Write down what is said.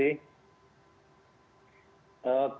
baik dari saya terima kasih